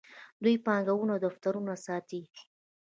دوی بانکونه او دفترونه ساتي.